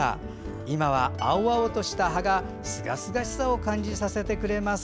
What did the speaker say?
今は青々とした葉がすがすがしさを感じさせてくれます。